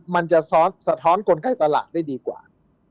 มันจะสะท้อนคนไข้ตลาดได้ดีกว่า